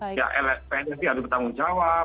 ya lsp ini harus bertanggung jawab